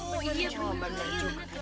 oh iya benar juga